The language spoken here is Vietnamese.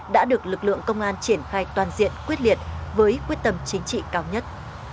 đã được lực lượng công an triển khai toàn diện quyết liệt với quyết tâm chính trị cao nhất